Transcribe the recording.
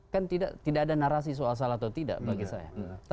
kan tidak ada narasi soal salah atau tidak bagi saya